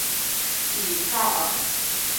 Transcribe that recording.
比塞尔。